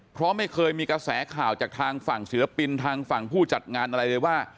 เพราะไม่เคยมีกระแสข่าวจากทางฝั่งศิลปินทางฝั่งผู้จัดงานอะไรเลยว่า